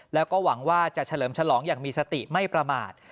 แล้วก็หวังว่าจะเฉลิมฉลองอย่างมีสติไม่ประมาท